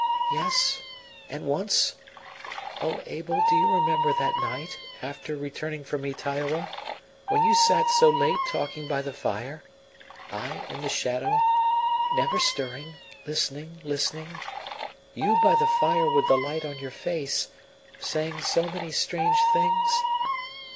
"Yes; and once O Abel, do you remember that night, after returning from Ytaioa, when you sat so late talking by the fire I in the shadow, never stirring, listening, listening; you by the fire with the light on your face, saying so many strange things?